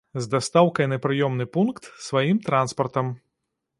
З дастаўкай на прыёмны пункт сваім транспартам.